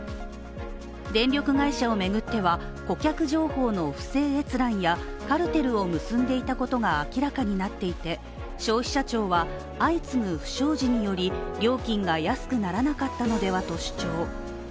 電力会社を巡っては、顧客情報の不正閲覧やカルテルを結んでいたことが明らかになっていて消費者庁は相次ぐ不祥事により料金が安くならなかったのではと主張。